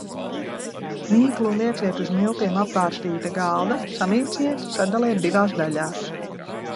Mīklu lieciet uz miltiem apbārstīta galda, samīciet, sadaliet divās daļās.